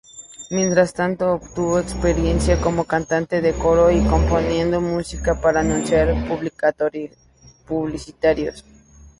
Mientras tanto, obtuvo experiencia como cantante de coro y componiendo música para anuncios publicitarios.